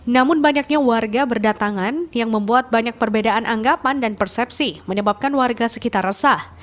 namun banyaknya warga berdatangan yang membuat banyak perbedaan anggapan dan persepsi menyebabkan warga sekitar resah